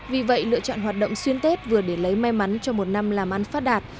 vì vậy lựa chọn hoạt động xuyên tết vừa để lấy may mắn cho một năm làm ăn phát đạt